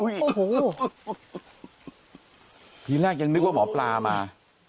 อูยคนที่แรกก็นึกว่าหมอปรามา